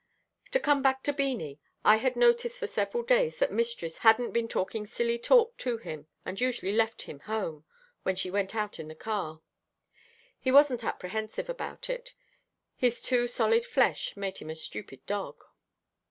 To come back to Beanie, I had noticed for several days that mistress hadn't been talking silly talk to him, and usually left him home, when she went out in the car. He wasn't apprehensive about it. His too solid flesh made him a stupid dog.